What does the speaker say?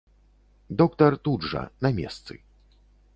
Доктар тут жа, на месцы.